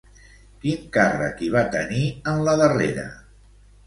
Quin càrrec hi va tenir, en la darrera?